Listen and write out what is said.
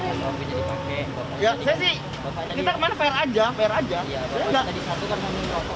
ya saya sih kita kemana fair aja fair aja